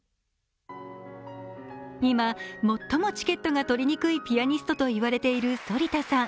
今、最もチケットが取りにくいピアニストといわれている反田さん。